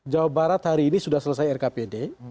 jawa barat hari ini sudah selesai rkpd